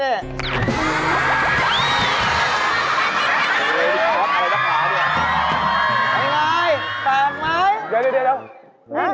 เดี๋ยว